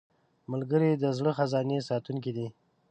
ملګری د زړه خزانې ساتونکی دی